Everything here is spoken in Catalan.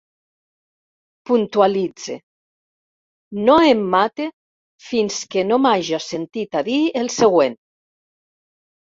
Puntualitze: no em mate fins que no m’haja sentit a dir el següent: